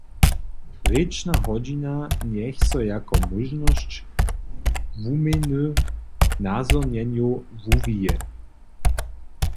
Rěčna hodźina njech so jako móžnosć wuměny nazhonjenjow wuwije.